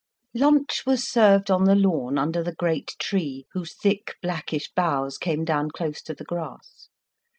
Lunch was served on the lawn, under the great tree, whose thick, blackish boughs came down close to the grass.